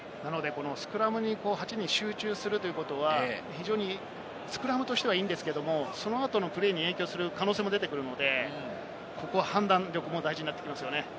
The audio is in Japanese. スクラムに８人集中するということは非常にスクラムとしてはいいんですけれども、その後のプレーに影響する可能性も出てくるので、ここは判断力も大事になってきますね。